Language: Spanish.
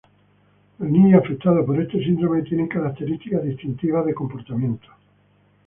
Los niños afectados por este síndrome tienen características distintivas de comportamiento.